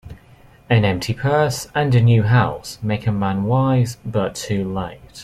An empty purse, and a new house, make a man wise, but too late.